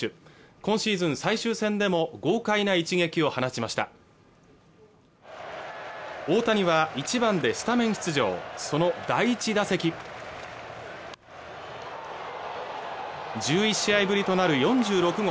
今シーズン最終戦でも豪快な一撃を放ちました大谷は１番でスタメン出場その第１打席１１試合ぶりとなる４６号